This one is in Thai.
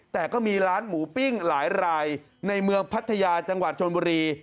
แต่ก็มีร้านหมูปิ้งหลายรายในเมืองพัทยาจังหวัดชนบุรี